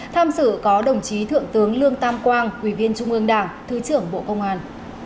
tham sự có đồng chí thượng tướng lương tam quang ủy viên trung ương đảng thứ trưởng bộ công an